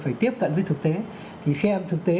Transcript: phải tiếp cận với thực tế thì xem thực tế